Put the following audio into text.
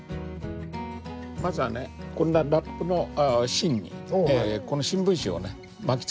まずはねこんなラップの芯にこの新聞紙をね巻きつけていきます。